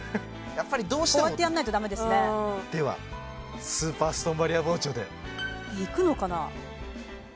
やっぱりどうしてもこうやってやんないとだめですねではスーパーストーンバリア包丁でいくのかな